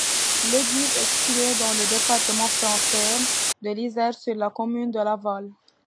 L'église est située dans le département français de l'Isère, sur la commune de Laval.